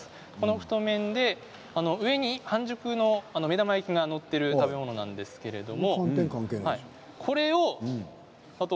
太麺で上に半熟の目玉焼きが載っている食べ物なんですけれども。